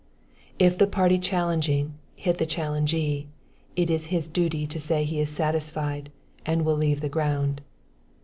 If the party challenging, hit the challengee, it is his duty to say he is satisfied, and will leave the ground.